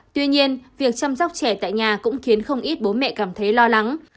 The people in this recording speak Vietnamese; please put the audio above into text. tuy nhiên việc chăm sóc trẻ tại nhà cũng khiến không ít bố mẹ cảm thấy lo lắng